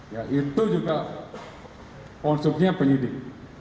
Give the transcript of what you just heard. ya itu juga konstruksinya penyidik